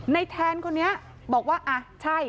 แทนคนนี้บอกว่าอ่ะใช่